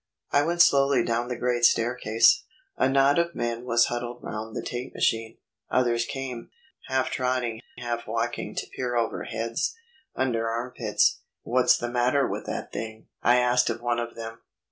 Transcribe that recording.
I went slowly down the great staircase. A knot of men was huddled round the tape machine; others came, half trotting, half walking, to peer over heads, under arm pits. "What's the matter with that thing?" I asked of one of them.